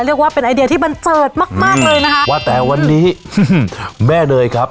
เรียกว่าเป็นไอเดียที่บันเจิดมากมากเลยนะคะว่าแต่วันนี้แม่เนยครับ